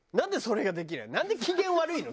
なんで機嫌悪いの？